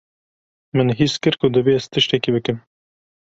Min his kir ku divê ez tiştekî bikim.